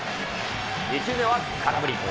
２球目は空振り。